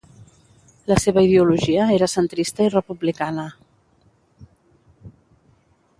La seva ideologia era centrista i republicana.